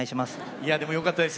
いやでもよかったです。